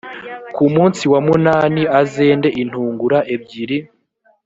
ku munsi wa munani azende intungura ebyiri